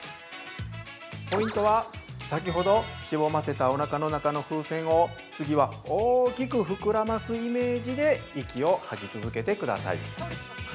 ポイントは、先ほどしぼませたおなかの中の風船を次は、大きく膨らますイメージで息を吐き続けてください。